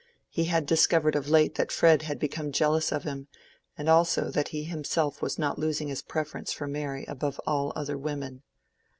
He had discovered of late that Fred had become jealous of him, and also that he himself was not losing his preference for Mary above all other women.